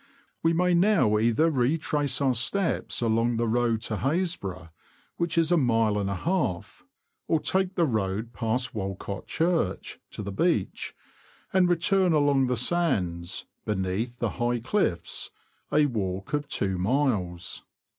We may now either retrace our steps along the road to Happisburgh, which is a mile and a half, or take the road, past Walcott Church, to the beach, and return along the sands, beneath the high cliffs — a walk of two miles.